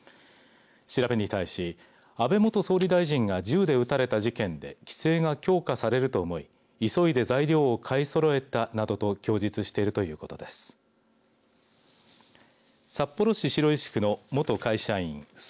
調べに対し安倍元総理大臣が銃で撃たれた事件で規制が強化されると思い急いで材料を買いそろえたなどと供述しているということです。